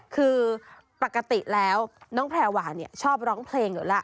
คือปกติแล้วน้องแพรวาชอบร้องเพลงอยู่แล้ว